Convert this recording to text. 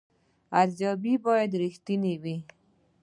ارزیابي باید رښتینې وي